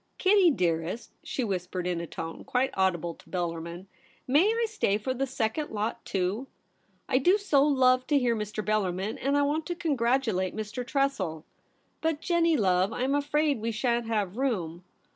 ' Kitty, dearest,' she whispered in a tone quite audible to Bellarmin, ' may I stay for the second lot too ? I do so love to hear Mr. Bellarmin, and I want to congratulate Mr. Tressel.' ' But, Jennie, love, I am afraid we shan't have room.'